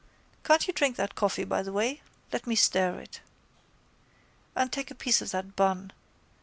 Can't you drink that coffee, by the way? Let me stir it. And take a piece of that bun.